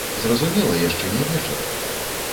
Зразумела, яшчэ не вечар.